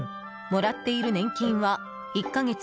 もらっている年金は１か月